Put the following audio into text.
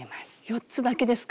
４つだけですか？